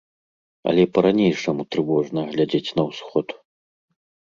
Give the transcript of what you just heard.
Але па-ранейшаму трывожна глядзіць на ўсход.